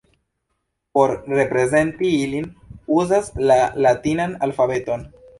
Por reprezenti ilin, uzas la latinan alfabeton.